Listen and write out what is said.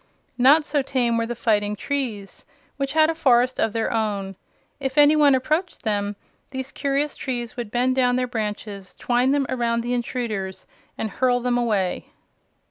Not so tame were the Fighting Trees, which had a forest of their own. If any one approached them these curious trees would bend down their branches, twine them around the intruders, and hurl them away.